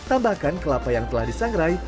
tambahkan kelapa yang telah disangrai